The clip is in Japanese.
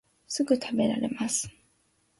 すぐたべられます